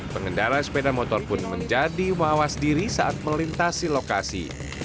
pengendara sepeda motor pun menjadi wawas diri saat melintasi lokasi